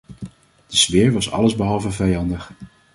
De sfeer was allesbehalve vijandig.